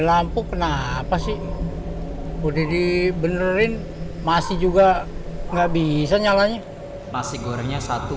lalu kenapa sih boleh dibenerin masih juga nggak bisa nyalanya masih gorengnya satu